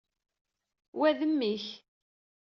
Wa, d mmi-k.